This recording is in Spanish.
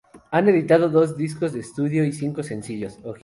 Han editado dos discos de estudio y cinco sencillos.